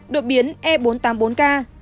đột biến e bốn trăm tám mươi bốn k